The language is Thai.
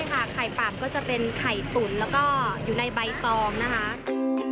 ไข่ปากก็จะเป็นไข่ตุ๋นแล้วก็อยู่ในใบตองนะคะ